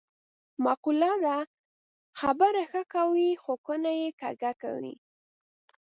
معقوله ده: خبره ښه کوې خو کونه یې کږه کوې.